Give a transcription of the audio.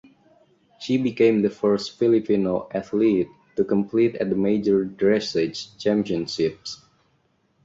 She became the first Filipino athlete to compete at the major dressage championships.